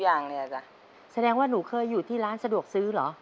สะแหน่งว่าหนูเคยอยู่ที่ร้านสะดวกซื้อหรอ